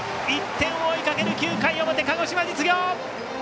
１点を追いかける９回表、鹿児島実業。